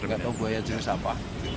nggak tahu buaya jenis apa